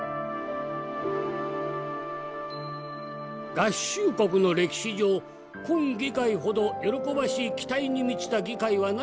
「合衆国の歴史上今議会ほど喜ばしい期待に満ちた議会はないと申せましょう。